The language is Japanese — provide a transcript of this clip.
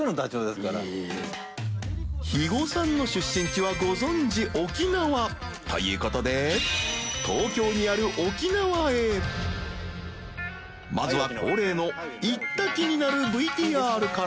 肥後さんの出身地はご存じ沖縄ということで東京にある沖縄へまずは恒例の行った気になるＶＴＲから